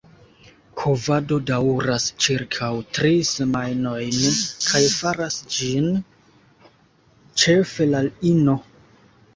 Kovado daŭras ĉirkaŭ tri semajnojn kaj faras ĝin ĉefe la ino.